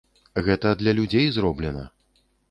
Гэта для людзей зроблена.